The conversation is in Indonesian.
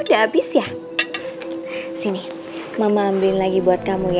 pak fero kamu bahkan juga senang aja kan dim hunch di depan diri townsend